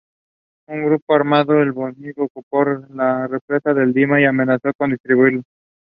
The coat of arms is divided into four parts.